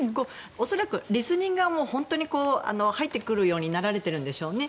恐らくリスニングはもう本当に入ってくるようになられているんでしょうね。